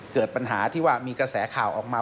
เกิดปัญหาที่ว่ามีกระแสข่าวออกมา